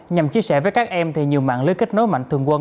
nhằm chia sẻ với các em thì nhiều mạng lưới kết nối mạnh thường quân